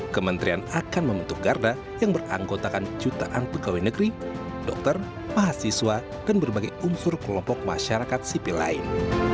kementerian akan membentuk garda yang beranggotakan jutaan pegawai negeri dokter mahasiswa dan berbagai unsur kelompok masyarakat sipil lain